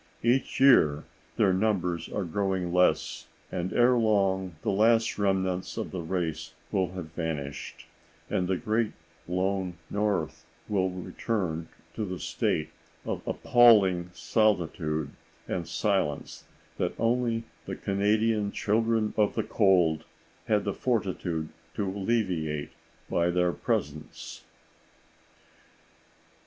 Each year their numbers are growing less, and ere long the last remnant of the race will have vanished, and the great lone North will return to the state of appalling solitude and silence that only the Canadian Children of the Cold had the fortitude to alleviate by their presence.